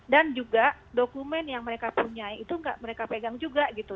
dan juga dokumen yang mereka punya itu nggak mereka pegang juga gitu